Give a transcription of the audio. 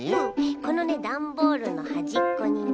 このねダンボールのはじっこにね